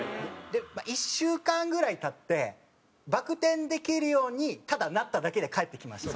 １週間ぐらい経ってバク転できるようにただなっただけで帰ってきました